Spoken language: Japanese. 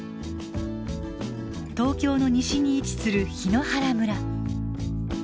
東京の西に位置する檜原村。